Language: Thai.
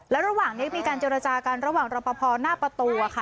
แล้วระหว่างนี้มีการเจรจากันระหว่างรอปภหน้าประตูค่ะ